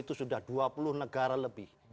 itu sudah dua puluh negara lebih